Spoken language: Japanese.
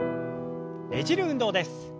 ねじる運動です。